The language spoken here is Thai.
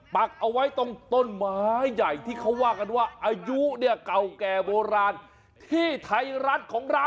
ปักเอาไว้ตรงต้นไม้ใหญ่ที่เขาว่ากันว่าอายุเนี่ยเก่าแก่โบราณที่ไทยรัฐของเรา